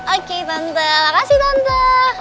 oke tante makasih tante